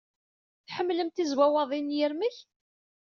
Tḥemmlemt tizwawaḍin n yirmeg?